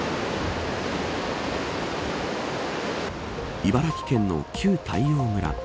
茨城県の旧大洋村。